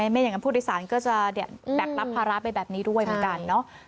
ไม่อย่างนั้นผู้โดยสารก็จะแบกรับภาระไปแบบนี้ด้วยเหมือนกันเนาะ